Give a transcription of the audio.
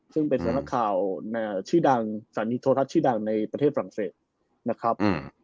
ซึ่งเป็นสำนักข่าวชื่อดังสถานีโทรทัศน์ชื่อดังในประเทศฝรั่งเศสนะครับ